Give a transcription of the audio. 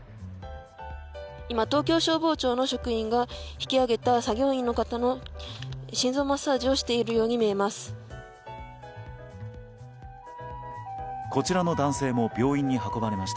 今、東京消防庁の職員が引き上げた作業員の方の心臓マッサージをしているように見えます。